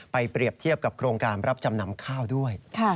เปรียบเทียบกับโครงการรับจำนำข้าวด้วย